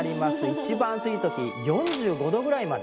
一番暑い時４５度ぐらいまで。